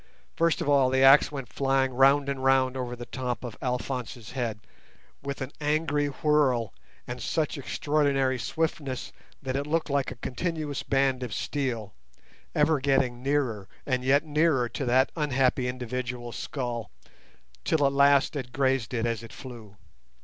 First of all the axe went flying round and round over the top of Alphonse's head, with an angry whirl and such extraordinary swiftness that it looked like a continuous band of steel, ever getting nearer and yet nearer to that unhappy individual's skull, till at last it grazed it as it flew.